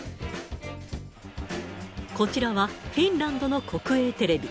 こちらはフィンランドの国営テレビ。